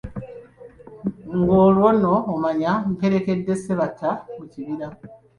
Ng'olwo omanya mperekedde Ssebatta mu kibira.